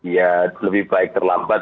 ya lebih baik terlambat